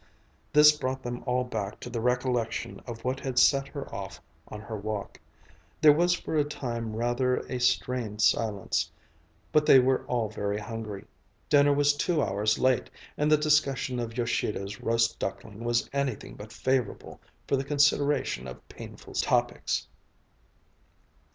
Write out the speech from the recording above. This brought them all back to the recollection of what had set her off on her walk. There was for a time rather a strained silence; but they were all very hungry dinner was two hours late and the discussion of Yoshido's roast duckling was anything but favorable for the consideration of painful topics.